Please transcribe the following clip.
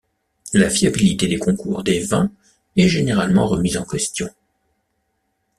La fiabilité des concours des vins est généralement remise en question.